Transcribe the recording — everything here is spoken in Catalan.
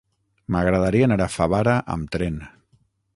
M'agradaria anar a Favara amb tren.